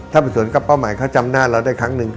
ถ้าไปสวนกับเป้าหมายเขาจำหน้าเราได้ครั้งหนึ่ง